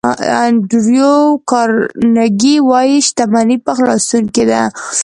انډریو کارنګي وایي شتمني په خلاصون کې ده.